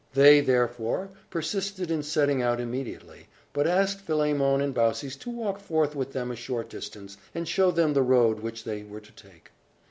They, therefore, persisted in setting out immediately, but asked Philemon and Baucis to walk forth with them a short distance, and show them the road which they were to take.